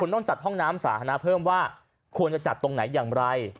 ต้องจัดห้องน้ำสาธารณะเพิ่มว่าควรจะจัดตรงไหนอย่างไร